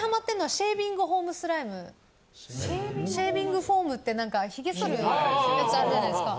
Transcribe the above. ・シェービングフォーム・シェービングフォームってなんかひげ剃るやつあるじゃないですか。